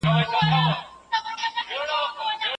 ټولنیز حالت د خلکو د ستونزو اغېز نه پټوي.